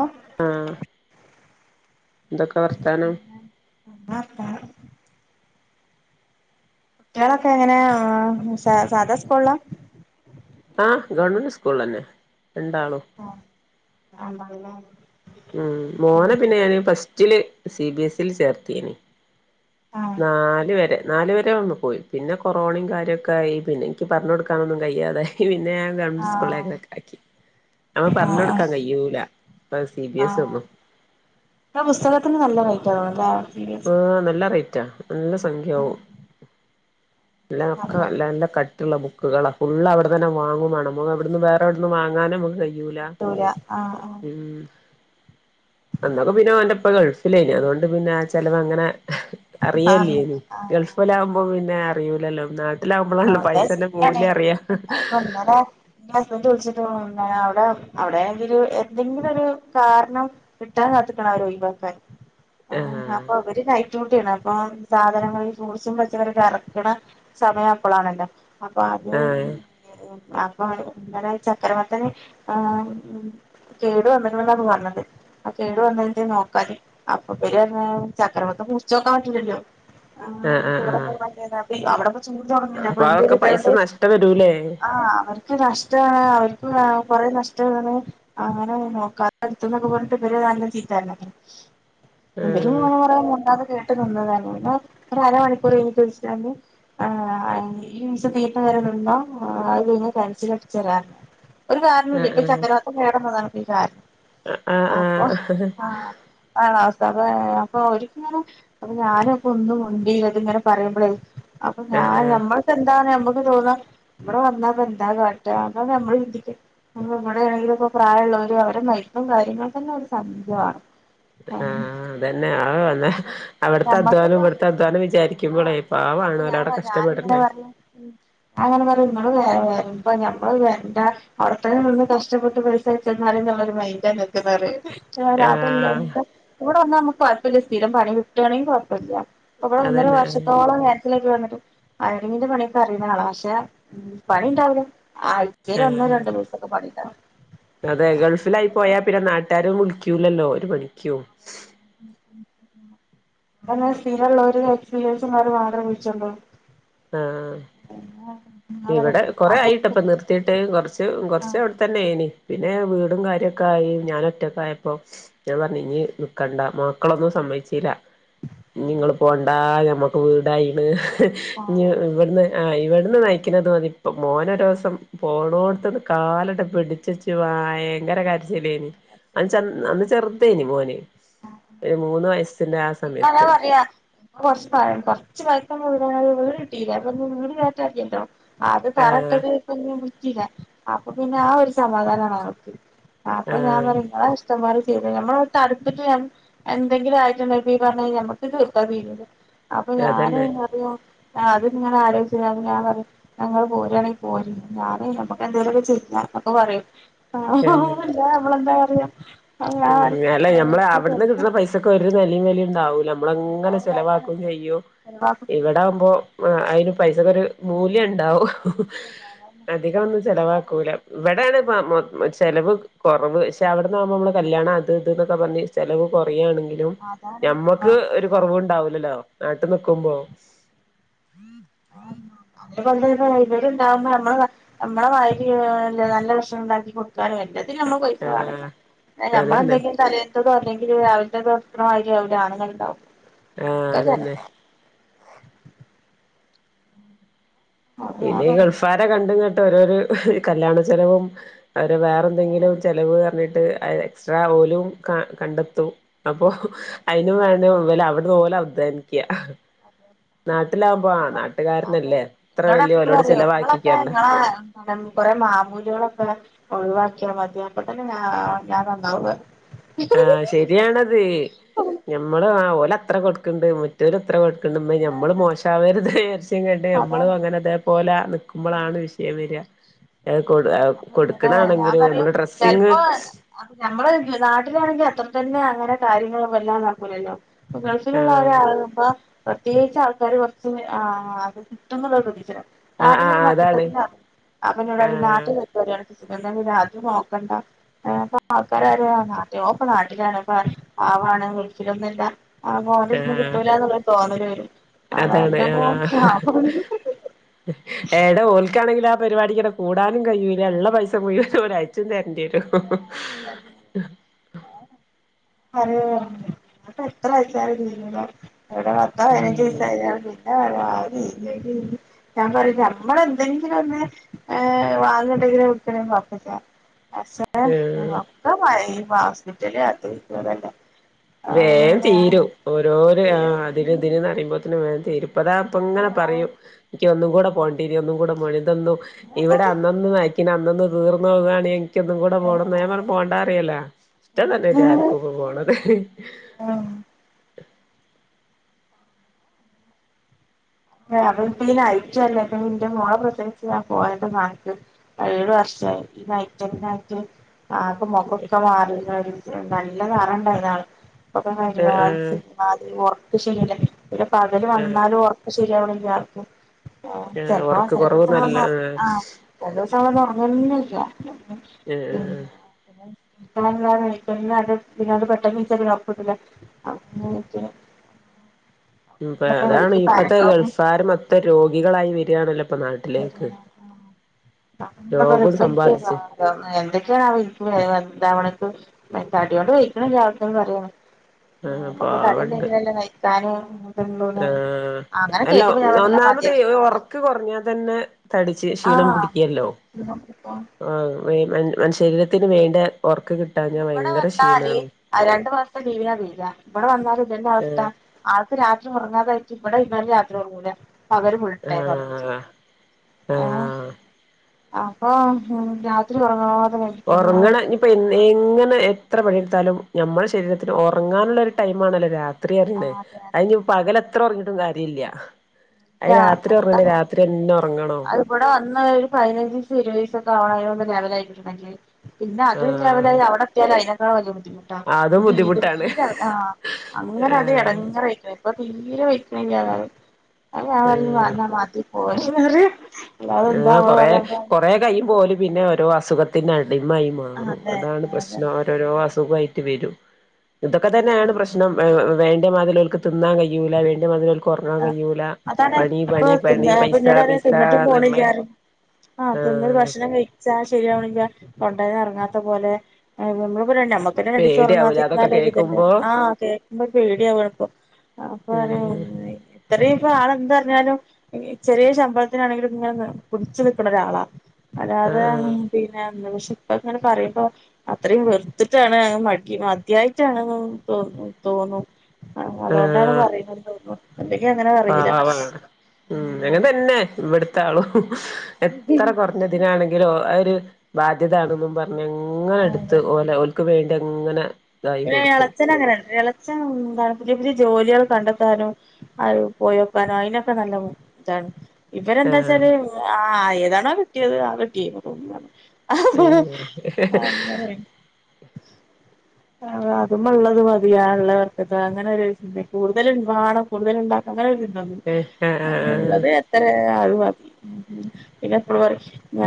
ഓ ആഹ് എന്തൊക്കെ വർത്താനം കുട്ട്യാളൊക്കെ എങ്ങനെ സാദാ സ്കൂൾലാ? ആഹ് ഗവണ്മെന്റ് സ്കൂളിലെന്നെ. ആ അതാണ്ല്ലെ ഉം മോനെ പിന്നെ ഞാന് ഫസ് റ്റില് സി ബി എസീല് ചേർത്തീനി നാല് വെരെ നാല് വരെ വന്നു പോയി പിന്നെ കൊറോണയും കാര്യോക്കായി പിന്നെ എനിക്ക് പറഞ് കൊടുക്കാനൊന്നും കയ്യാതായി പിന്നെ ന്നെ ഞാൻ ഗവൺമെന്റ് ആഹ് സ്കൂളിലേക്കാക്കി മ്മക്ക് ആഹ് പറഞ്ഞോട്ക്കാൻ കയ്യൂല സി ബി ആഹ് എസ്സിന്നും വാ ആഹ് നല്ല റെയ് റ്റാ നല്ല സംഖ്യാവും. നല്ല ഒക്ക നല്ല നല്ല കട്ട് റ്റ് ഉള്ള ബുക്കുകളാ ഫുള്ള് അവിടെ തന്നെ വാങ്ങു വേണം, [unintelligible] അവിടുന്ന് വേറെവിടുന്ന് വാങ്ങാനും ഒന്നും [unintelligible] പട്ടൂലാ ആ ആ അന്നൊക്കെ പിന്നെ അവന്റെ ഉപ്പ ഗൾഫിലേന് അതുകൊണ്ട് പിന്നെ ചെലവങ്ങനെ ആഹ് അറിയേല്ലേന് ആഹ് ഗൾഫിലാവുമ്പോ പിന്നെ അറിയൂല്ലല്ലോ [unintelligible] ആ അതെ ശരിയാണ് ഇപ്പ ഇന്നലെ എന്റെ ഹസ്ബൻഡ് ചോയ്ച്ച് [unintelligible] അവിടെ അവിടെ [unintelligible] എന്തെങ്കിലും ഒരു കാരണം കിട്ടാൻ കാത്തിക്കണം അവരൊഴിവാക്കാൻ. ആഹ് അപ്പ അവര് കയറ്റും. [unintelligible] അപ്പ സാധനങ്ങളിൽ ഫ്രൂട്സും പച്ചകറിയൊക്ക എറക്കണ സമയം. ഇപ്പഴാണല്ലോ അപ്പ അത് ആഹ് [unintelligible] അപ്പ ഇന്നലെ ചക്കരവത്തന് ആ കേടു വന്നിക്കണന്നാണ് പറഞ്ഞത്, ആ കേടു വന്നതില് നോക്കാല് അപ്പ [unintelligible] ചക്കരവത്ത് കുടിച്ചു നോക്കാൻ പറ്റില്ലല്ലോ. ആ ആഹ് ആഹ് ഇതെവിടെ ആഹ് [unintelligible] അവിടെ [unintelligible] [unintelligible] അപ്പ അപ്പൊ അയിൻ്റെ ഒരു അതൊക്കെ പൈസ [unintelligible] നഷ്ടം വരൂലേ ആ അവർക്ക് നഷ്ട അവർക്ക് കൊറേ നഷ്ടാണ്. അങ്ങനെ നോക്കാത എടുത്തുന്നൊക്കെ പറഞ്ഞട്ട് ഇവര് നല്ല ചീത്ത [unintelligible] അവര് ആഹ് [unintelligible] [unintelligible] ഒരു അരമണിക്കൂർ കഴിഞ്ഞിട്ട് വിളിച്ചിട്ട് പറഞ്ഞ് ആ ഈ വിസ തീർന്ന വരെ നിന്നോ അത് കഴിഞ്ഞാൽ ക്യാൻസൽ [unintelligible] തരാന്ന്. ഒരു കാരണുല്ല, ഇപ്പ ആഹ് ചക്കരാത്തും വേറെ മൂന്നാളും. നീ കാരണം ആഹ് ആഹ് അപ്പോ ആഹ് ആഹ് ആണോ? [unintelligible] അപ്പോ ഓരിക്കിങ്ങനെ അപ്പോ ഞാനൊക്കെ ഒന്നും മുണ്ടിയില്ല ഇങ്ങനെക്കെ പറയുമ്പോഴേ. അപ്പോ ഞാൻ ആഹ് ആഹ് ഞമ്മക്ക് എന്താ ഞമ്മ തോന്നാ ഇവിടെ വന്നാ ഇപ്പ എന്താ കാട്ട അതാ നമ്മൾ ചിന്തിക്ക, നമ്മ ഇമ്മടെ ആണെങ്കില ഇപ്പോ പ്രായമുള്ളവര് അവരെ നയിക്കും കാര്യങ്ങളും തന്നെ ഒരു സംഖ്യ വേണം. ആഹ് അതന്നെ ആ എന്നാ അവിടുത്തെ അധ്വാനം ഇവിടുത്തെ അധ്വാനം വിചാരിക്കുമ്പോളേ പാവം. അപ്പോ ഞാൻ പറഞ്ഞ് ഇങ്ങനെ പറഞ്ഞ് മ് [unintelligible] വരുമ്പ ഞമ്മള് വേണ്ട അവിടെത്തന്നെ നിന്ന് കഷ്ടപ്പെട്ട് പൈസ അയച്ചന്നാലെ എന്നുള്ളരു മൈൻഡ നിങ്ങക്ക് എന്ന് പറയും. [unintelligible] അതല്ല ആഹ് എന്താ ഇവിടെ വന്ന നമുക്ക് [unintelligible] സ്ഥിരം പണി കിട്ടാണെങ്കി കൊഴപ്പില്ല. അവടെ ഒന്നര അതന്നെ ആഹ് വർഷത്തോളം ഞാൻ [unintelligible] വയറിങ്ങിന്റെ പണിയൊക്കെ അറിയുന്നാള പക്ഷേ മ് പണി ഉണ്ടാവുല്ല. ആ അതെ ഗൾഫിലായി പോയാ പിന്നെ നാട്ടുകാരും വിള് കയ്യൂല്ലല്ലോ ഒരു പണിക്കും സ്ഥിരം ഉള്ളോരം എക്സ്പീരിയൻസ മാത്ര വിളിച്ചള്ളൂ ആഹ അവരെ ഇവിടെ കൊറ അതൊക്കെ ആയിട്ടപ്പൊ നിർത്തിട്ട് കൊറച്ച് ആ കുറച്ച് അവിടെ തന്നെ ആയിനി പിന്നെ വീടും കാര്യൊക്കെ ആയി ഞാൻ ഒറ്റൊക്കെ ആയപ്പോൊ ഞാൻ പറഞ്ഞ ഇഞ് നക്കണ്ട മക്കളൊന്നും സമ്മതിച്ചില്ല നിങ്ങള് പോവണ്ടാ ഞമ്മക്ക് വീടായിണ് ആ ഇ ഇവിടുന്ന് ആ ഇവിടുന്ന് നയിക്കുന്നുന്നത് മതി ഇപ്പം മോനരിവസം പോണോടത്ത്ന്ന് കാലട്ട് പിടിച്ചച്ച് ഭയങ്കര കരച്ചില് മോന് ഒരു മൂന്ന് വയസ്സിന്റെ ആ ഇപ്പം അങ്ങനെയാ സമയത്ത് പറയാ കൊറച്ച് കൊറച്ച് പൈസ വീട് കിട്ടീല്ലേ അപ്പൊ വീട് കേറ്റാൻ ഇല്ലല്ലോ അത് ആഹ് തറട്ട ഇപ്പം ഇഞ്ഞു അപ്പൊ പിന്നെ ആ ഒരു സമാധാനമാണ് അവർക്ക് അപ്പോൾ ഞാൻ ആഹ് പറയും മാ ചെയ്ത നമ്മളടുട്ട ഞൻ എന്തെങ്കിലുംയിട്ട്ഈ പറഞ്ഞ കഴിഞ്ഞൽ ഞമ്മുക്ക് തീർത്താൽ തീരൂല്ല അപ്പൊ ഞാനും അതന്നെ പറയും ആ അത് നിങ്ങ ആരോചിച്ച ഞാൻ പറ ഞങ്ങള് പോരായാണെങ്കിൽ പോരി ഞാന നമ്മക്ക് എന്തെലുമൊക്കെ ചെയ എന്നൊക്കെ പറയും. ആ [unintelligible] എന്താ പറയാ ഉ ഞാൻ പറയും ല്ലെ മ്മള് ഇപ്പൊ അവിടുന്ന കേൾക്കും കിട്ടുന്ന പൈസക്കെ [unintelligible] നെലെ വെലയും ഉണ്ടാവില്ല നമ്മക്ക് അങ്ങനെ ഉണ്ടാവൂല അതാണ് ചെലവാക്കു അയ്യോ അതാണ് ഇവിടെ ആകുമ്പോ ആ ഐയിനെ പൈസക്കരു മൂല്യം ഉണ്ടാവും അധികം ഒന്നും ചെിലവാക്കൂല ഇവിടാണ്. [unintelligible] ചെലവ് കുറവ് ക്ഷെ അവിടുന്ന് ആകുമ്പോ നമ്മള് കല്യാണം അത് ഇതൊക്കെ പറഞ്ഞ് ചെലവ് കുറയാണ്. ങ്കിലും ആധാരം ഞമ്മക്ക് ഒരു കുറവും ഉണ്ടാവൂലല്ലോ നാട്ടി നിക്കുമ്പോ ആ [unintelligible] ഇതുപൊലെന്നെ ഇവര്ണ്ടാകുമ്പോ നമ്മള് നമ്മളെ മാതിരി നല്ല ഭക്ഷണം ഉണ്ടാക്കി കൊടുക്കാനും വേണ്ട എല്ലാത്തിനും പൈസ വേണം ആഹ് നമ്മൾ അതന്നെ എന്തെങ്കിലും തലന്നാന്തെങ്കിലും എ രാവിലത്തെ ഭത്രണമായി എവിടെ ആണങ്ങെണ്ടാവും [unintelligible] ആ അതന്നേ പിന്നെ ചെലവാ ഈ ഗൾഫാരെ കണ്ടുകൊണ്ട് ഓരോരു കല്യാണ ചെലവും അവരെ വേറെ എന്തെങ്കിലും ചിലവ് പറഞ്ഞിട്ട് ആ ഏ എക്സ്ട്രാ ഓലും ക കണ്ടെത്തും അപ്പൊ അയിനും വേ ല അവിടോലദ്ധാനിക്ക നാട്ടിലാവുമ്പോ ആ നാട്ടുകാരനല്ലേ ഇത്ര വല്യ എന്നോടെടക്കൊ ഓലോട് പറയും ങ്ങളൊക്കെ ചെലവാക്കിക്കണ്ട നങ്ങളെ ന്താ കൊറേ മാമൂലുകളൊക്കെ ഒഴിവാക്കിയ മതി അപ്പതന്നെ ഞാ ഞാൻ നന്നാവു ആ ശരിയാണത് ഞമ്മള് ആ ഒ ലത്ര കൊട്ക്ക്ണ്ട് മറ്റോല് ഇത്ര കൊട് ക്ക്ന്ന്ന്ന് ഞമ്മള് മോശാവരുത് വിയാരിച്ച്ങ്ങട്ട് ഞമ്മളും അതാണ് അങ്ങനെതേപോലെ നിക്കുമ്പൊളാണ് വിഷയം വര അത് കൊട് അപ്പൊ നിങ്ങൾടെ ഞാൻ കൊടുക്കണാണെങ്കിലും പറയും നമ്മള് ഡ്രസ്സിങ് ചെൽപ്പോ അ ഞമ്മള് നാട്ടിലാണെങ്കി ത്രതന്നെ അങ്ങനെ കാര്യങ്ങളുമെല്ലാം നോക്കൂലല്ലോ അപ്പൊ ആ ഗൾഫിലുള്ളാരാപ്പ പ്രത്യേകിച്ച് ആൾക്കാര് കൊറച്ചും ആ അത് കിട്ടുംന്നുള്ള പ്രതീക്ഷേലാ ആഹ് നാട്ടിൽ വര്മ്പോ ആഹ് അതാണ് അപ്പൊത്തക്കും നാ അപ്പൊന്നോടറി നാ ആഹ് ച് എന്താണ് രാത്രി നോക്കണ്ട ആൾക്കാരാര നാട്ട ഇപ്പ നാട്ടിലാണ് ഇപ്പ പാവാണ് ൾഫിലൊന്നു അല്ല ആ ഓലെട്ത്ത്ന്ന് ആഹ് കിട്ടൂല്ലാന്നൊള്ളൊര് തോന്നല് വ അതാണ് ആ പാവാണ് എടോ ഓൽക്കാണെങ്കിലാ പരിപാടിക്കിടെ കൂടാനും കഴിയില്ല ള്ള പൈസ മുഴൂവനും ഓര് അയച്ചും തര ണ്ട്യേരും അപ്പ എത്ര ആയച്ചാലും തീരൂല എവിടെ പത്തോ ഉം പനഞ്ചിസോ അയലേറെ [unintelligible] ആ ഞാൻ പറയും ഞമ്മള് എന്തെങ്കിലും ഒന്ന് ഏ വാങ്ങ്ണ്ടെങ്കില [unintelligible] ഏ ഉം ആഹ് ഒക്കെ പഴേ പ ഹോസ്പിറ്റല് അത് [unintelligible] വേം ആഹ് തീരും ഓരോരോ ആ അതിന് ഇതിനന്ന്റിയുമ്പോത്ത്ന് വേ തീരും പ്പൊതാ പ്പം ഇങ്ങനെ പറയും ൻക്ക് ഒന്നും കൂടെ പോണ്ടീനി ഒന്നും കൂടെ മോണ്ടിനി ന്നും ഇവിടെ അന്നന്ന് നയ്ക്ക്ണ അ തൊന്ന് തീർന്നോകാന് നിക്കൊന്നും കൂടെ പോണംന്ന് ഞാൻ പറയും പോണ്ടാ പറയലാ ഇഷ്ടം തന്നെല്ലയാര്ക്കുംപ്പം പോണത് ആ അവൻപ്പ ഈ നയ്റ്റല്ല ഇപ്പം ന്റെ മോള പ്രസവിച്ച് ഞാ പോയാപ്പം നാട്ട് ഏഴു വർഷം ഈ നയ് [unintelligible] ആകെ മുഖ ക്കെ മാറി നല്ലതാറണ്ടായിൾ [inaudible] [unintelligible] ആഹ് ആഹ് വിഷമമ ല്ലേ പിന്നെ പകല് ആഹ് വന്നാലും വീട്ടിലെല്ലാർക്കും ആഹ് ചിലപ്പോ ഒർക്ക് കൊറവ് നല്ല ആഹ് [inaudible] ഉറങ്ങുന്നും ഒന്നുമില്ല ഏ ആ കൻട്ട അത് പിന്നോട് പെട്ടെന്ന് മൻസൊ [inaudible] ക്കെ കുഴപ്പട്ടില്ല അട്ട അതാണ് ഇപ്പഴ ത്തെ ഗൾഫാരു മൊത്തം രോഗികളായി വരുന്നത് അങ്ങനെ അല്ല രോഗം സമ്പാദിച്ച് എന്തൊക്കെയാണ് വീട്ടിൽ ഇണ്ടാവണേ മെന്താടിയ കൊണ്ട് പോഴ ജാഗത്തന്ന് പറയണ ആ നമക്കു കടേന്നു എന്തെങ്കിലുമല്ല കഴി ക്കാനും ആഹ അല്ല ഞാൻ പറയും ഒന്നാമതേ മതിയാക്കിക്കോന്ന് ഉറക്കം കുറഞ്ഞാ തന്നെ പിന്നെ തടിച്ചു ക്ഷീണം ആഹ് പിടിക്കുമ ല്ലോ മനുഷ്യ ശരീരത്തിനന് വേണ്ട ഉറക്ക് കിട്ടാഞ്ഞാ ഇവിടെ ഭയങ്കര വന്നല് ക്ഷീണാണ് രണ്ടു മാസത്തെ ലീവിനാ വരി ക ഇവിടെ വന്നാലല് അവസ്ഥ ആൾക്ക് രാത്രി ഉറങ്ങാതായി് ഇവ ടെ ഇരുന്നാലും രാത്രി ഉറങ്ങൂല അവര ആ വിളട്ടായി പറഞ്ഞു ചെയ ആ [inaudible] അപ്പൊ രാത്രി ഉറങ്ങാതെ ഞാൻ പറയും ഉറങ്ങണം ഇനി പ്പൊ ഇങ്ങനെ എത്ര പണിയെടുത്താലും നമ്മുടെ ശരീരത്തിന് ഉറങ്ങാനുള്ള ഒരു ടൈം ആണല്ലോ രാത്രി രാത്രി തന്നെ ആഹ് അതെ അതിന് പകല എത്ര ഉറങ്ങിട്ടുംകാര്യമില്ല ഇല്ല അത് ഉറങ്ങണ്ടേ രാത്രി ഉറങ്ങണോ അത് ഇവിടെ വന്നു ഒരു പതിനഞ്ച് ദിവസം ഇരുപത്തുദിവസം ഒക്കെ ആവണം ല ആയിട്ടിട്ടണ്ടെങ്കിൽ [inaudible] പിന്നെ അതും ആഹ് ലെവലായി അവിടെ എത്തിയാ ലോ അതിനെ ക്കായി ആ തോ ബുദ്ധിമുട്ട അതും ഇത് ഇത് ബുദ്ധിമുട്ടാണ് ഈ ആ അങ്ങനെ അത് ആഹ് എടങ്ങേറയിക്കണ് പ്പ തീരെ വൈക്ക്ണില്ലാതാണ് അത് അവ ആഹ് വന്ന മാറ്റി പോ [unintelligible] ആ കൊറെ കൊറെ കയ്യുമ്പോലും പിന്നെഓരോ അസുഖത്തിന അടിമായി മാറും അതെ അതാണ് അതെ പ്രശ്നം ഓരോരോ അസു സുഖായിട്ട് വരും ഇതൊക്കെ തന്നെയാണ് പ്രശ്നം വേ ഇമ്മാതിരി ഉള്ളവർക്ക് തിന്നാ കഴൂല്ല എന്നെ മതിലക്ക് കൊർങ്ങാൻ കഴിയില്ല അതാണ് പണി അപ്പൊ പണി തിന്ന പണി പൈസ പിന്നീട് പറയും പൈസ തിന്നിട്ടും പോണില്ല പറയും ആ അപ്പൊ ഇ ഭക്ഷണം കഴിച്ചാ ശരിയാവുന്നില്ല തൊണ്ടേന്നറങ്ങാത്ത പോലെ മ്മള് അ നമ്മുക്കന്നെ രണ്ടീസം പേടിയാവൂലെ അതൊക്കെ ഉറങ്ങാത്തിരുന്നാലൊര്തല്ലേ കേക്കുമ്പോ ആഹ് കേൾക്കുമ്പോ പേടിയാവാണ്പ്പ അപ്പൊ ഉം ചെറിയ ഇപ്പൊ ആൾ എന്ത പറഞ്ഞാലും ചെറിയ ശമ്പളത്തിനാണെങ്കിലും നിങ്ങെ പിടിച്ചു നിൽക്കണ ഒരാളാ അല്ലാതെ ആഹ് പിന്നെ ദേശ്യ ഇപ്പ ങ്ങനെ പറയുമ്പോ അത്രയും വെറുത്തിട്ടാണ് മ മദ്യായിട്ടാണ് തോന്നു തോന്നു ആഹ് അതുകൊണ്ടാണ് പറയുന്നതന്ന് തോന്നുന്നു അല്ലെങ്കി അങ്ങനെ ആ പറയില്ല പാവാണ് അങ്ങനെ തന്നെ ഇവിടുത്തെ ആളും എത്ര കുറഞ്ഞ ദിനാണെ രോ അവര് ബാധ്യതാണെന്നും പറഞ്ഞ് ങ്ങനെ എടുത്ത് ആഹ് ഓലെ അവർക്ക് വേണ്ടി ങ്ങനെ പിന്നെ എളച്ചൻ അങ്ങനല്ല എളച്ചൻ ന്താണ് പുതിയ പുതിയ ജോലികൾ കണ്ടെത്താനോ ആ പോയി നോക്കാനോ അതിനൊക്കെ നല്ല ഇതാണ് ഇവരെന്താ ആഹ് വെച്ചാല് ആ ന്താണോകട്ടിയത് ആ കിട്ട്യയ്മ തുങ്ങാണ് [unintelligible] ഏഹ് അങ്ങനെ അഹ് അതുമ ള്ളത് മതി ആള്ളവർക്ക്ത് ങ്ങനെ ഒരു ചിന്ത കൂടുതല് വാണം കൂടുതല് ഉണ്ടാക്കണം അങ്ങനെ ഒരു ആഹ് അ ആഹ് ഉള്ളത് എത്ര ആ പിന്നെ എപ്പളും പറിം ഞ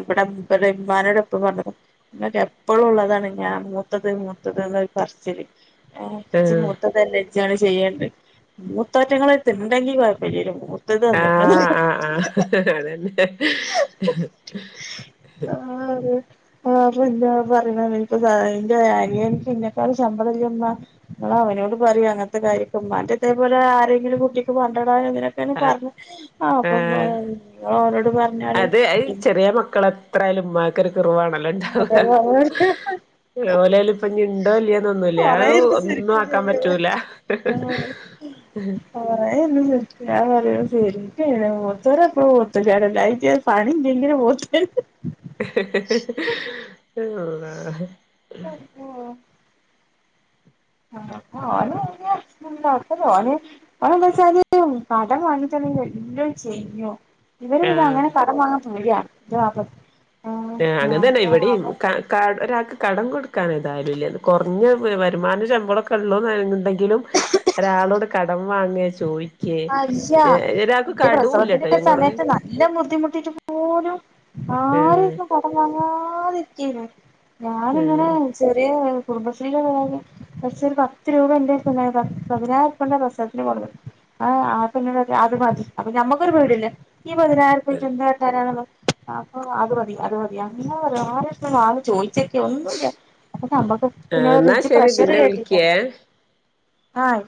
ഇവിടെ മ്മാനോട് എപ്പ പറഞ്ഞേക്ക ങ്ങക്ക് എപ്പളുള്ളതാണ് ഞാൻ മൂത്ത മൂത്തത് മൂത്തത് ന്ന പറച്ചില് ആ ജ് ആഹ് മൂത്തതല്ലേ ജാണ് [unintelligible] മൂത്തോറ്റേങ്ങളെട്ത്തിണ്ടെങ്കി കൊയ്പ്പില്ലല്ലോ ആഹ് ആഹ് ആഹ് അതന്നെ ആഹ് ഇൻ്റെ അനിയൻക്ക് ഇന്നെക്കാളും ശമ്പളമില്ലെമ്മ ഇങ്ങളവനോട് പറയി അങ്ങൻത്തെ കാര്യക്കെ ഇമ്മാന്റെതേപോലെ ആരെങ്കിലും കുട്ടിക്ക് പണ്ട ഇങ്ങനൊക്കെ ആഹ് പർഞ്ഞ് ആഹ് അപ്പം ഇങ്ങളോനോട് പർ അതെ അ ചെറിയ മക്കളത്ര ന്തായാലും ഉമ്മാക്കൊര് കിർവാണല്ലോ അതെ ഇണ്ടാവാ ഓലേല് ഇപ്പൊഞ്ഞ് ഇണ്ടോല്ല്യേന്ന് ഒന്നുല്ല ആ കൊറേ ഇരുന്ന് ഒന്നും ചിരിക്കും ആക്കാൻ ചെയ്യും പറ്റൂല കൊറേ ഇരുന്ന് ചിരിക്കും ഞാൻ പറയും ശെരിക്കും എങ്ങനെയാ മുത്തോര് എപ്പളും മൂത്തോരാണ് അയിഞ്ഞ് പണി ഇല്ലെങ്കിലും മൂത്തോര് [unintelligible] ആ ഓ ആ ഓന് തോന്നിയ ഓന് ഓനെന്താച്ചാല് കടം വാങ്ങിട്ടാണെങ്കി എല്ലോം ചെയ്യും ഇവര് പിന്നെ അങ്ങനെ ആഹ് കടം വാങ്ങാൻ പേടിയാ ന്റെ വാപ്പ ഏഹ് അങ്ങതന്നെ അപ്പൊ ഇവെടിം അവൻ കാ കാ ഒരാൾക്ക് കടം കൊടുക്കാനെതായാലുല്ല കൊർഞ്ഞ വരുമാന ശമ്പളമൊക്കെ ഒള്ളൂന്നാ ഇണ്ടെങ്കിലും ഒരാളോട് കടം വാങ്ങെ ചോയി [unintelligible] ഇൻ്റെ ഇല്ലട്ടോ ഞങ്ങള് പ്രസവത്തിന്റെക്കെസമയത്ത് നല്ല ബുദ്ധിമുട്ടിട്ട് പോലും ആഹ് ആരെട്ത്ന്ന്നും കടം വാങ്ങാതി [unintelligible] ഞാനിങ്ങനെ ആഹ് ചെറിയേ കുടുംബശ്രീല് പഷേ ഒരു പത്ത് രൂപ ഇന്റെതിണ്ടായാ പതിനായിരുറുപ്യുണ്ടാ പ്രസവത്തിന് [unintelligible] ആ ആ പന്നോടറ്യാ അത് മതി അപ്പൊ ഞമ്മക്കൊരു പേടിയേല്ല ഈ പതിനായിരറുപ്പ്യച്ച് എന്ത് കാട്ടാനാന്ന്ള്ളെ അപ്പൊ അത് മതി അത് മതി അങ്ങനെ പറയും ആരെടുത്തും ആള് ചോയ് ഒന്നൂല്ല്യ അപ്പൊ ഞമ്മക്കും അപന്നോടർയാ എന്നാ ഇജ്ജ് ശരി പ്രഷറ് പിന്നെ കേറ്റീട്ടാ വിളിക്കേ ആഹ്